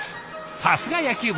さすが野球部。